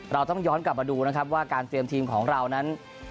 เราต้องย้อนกลับมาดูนะครับว่าการเตรียมทีมของเรานั้น